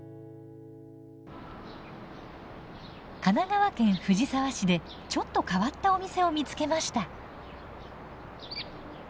神奈川県藤沢市でちょっと変わったお店を見つけました。